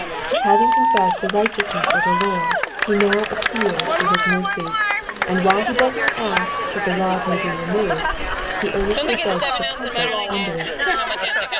'*^ Having confessed the righteousness of the Lord, he now appeals to his mercy, and while he does not ask that the rod may be removed, he earnestly begs for comfort under it.